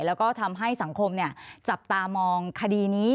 แล้วก็ทำให้สังคมจับตามองคดีนี้